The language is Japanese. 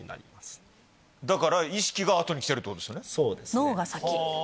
脳が先？